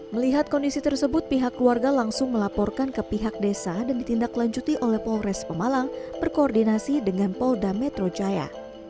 melihat kondisi tersebut pihak keluarga langsung melaporkan ke pihak desa dan ditindaklanjuti oleh polres pemalang berkoordinasi dengan polda metro jaya